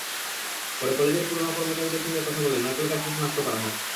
পরে কলেজের পুরোনো কর্মচারীদের সঙ্গে কথা বলে নারকেলগাছটি শনাক্ত করা হয়।